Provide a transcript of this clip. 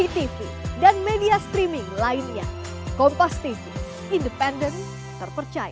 saya tidak tahu itu